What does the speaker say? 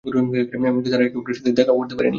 এমনকি তারা একে অপরের সাথে, দেখাও করতে পারেনি।